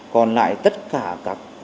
còn lại tất cả các